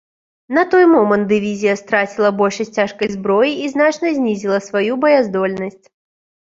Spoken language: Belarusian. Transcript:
На той момант дывізія страціла большасць цяжкай зброі і значна знізіла сваю баяздольнасць.